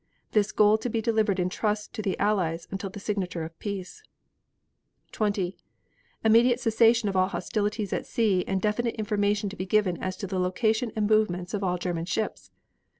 This gold to be delivered in trust to the Allies until the signature of peace. 20. Immediate cessation of all hostilities at sea and definite information to be given as to the location and movements of all German ships.